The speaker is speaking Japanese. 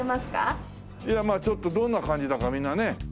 いやまあちょっとどんな感じだかみんなね。